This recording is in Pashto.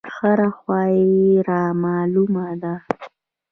هره خوا يې رامالومه ده.